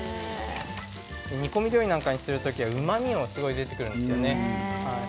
煮込み料理なんかにする時はうまみが出てくるんですよね。